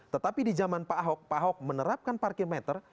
tetapi di zaman pak ahok pak ahok menerapkan parkir meter